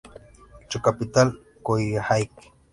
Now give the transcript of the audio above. Su capital es Coyhaique.